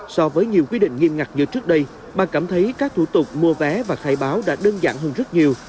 so với nhiều quy định nghiêm ngặt như trước đây bà cảm thấy các thủ tục mua vé và khai báo đã đơn giản hơn rất nhiều